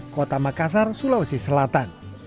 kota makassar sulawesi selatan